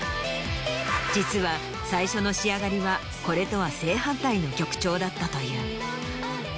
実は最初の仕上がりはこれとは正反対の曲調だったという。